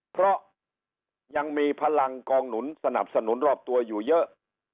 เพราะยังมีพลังกองหนุนสนับสนุนรอบตัวอยู่เยอะ